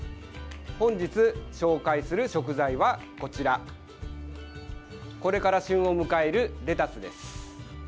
本日紹介する食材は、こちらこれから旬を迎えるレタスです。